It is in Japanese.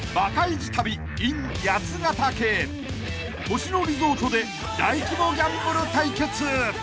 ［星野リゾートで大規模ギャンブル対決］